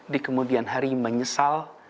di kemudian hari menyesal